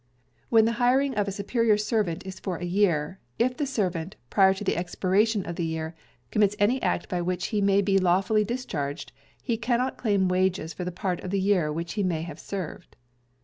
When the Hiring of a Superior Servant is for a year, if the servant, prior to the expiration of the year, commits any act by which he may be lawfully discharged, he cannot claim wages for the part of the year which he may have served.